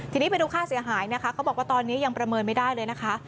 ทีนี้ไปดูค่าเสียหายนะคะเขาบอกว่าตอนนี้ยังประเมินไม่ได้เลยนะคะ